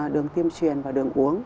đường tiêm truyền và đường uống